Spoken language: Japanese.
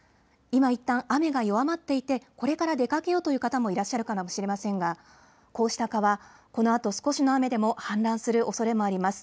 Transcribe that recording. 今いったん雨が弱まっていてこれから出かけようという方もいらっしゃるかもしれませんがこうした川、このあと少しの雨でも氾濫するおそれもあります。